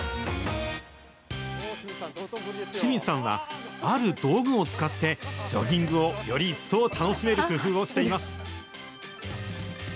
志水さんは、ある道具を使って、ジョギングをより一層楽しめる工夫をしています。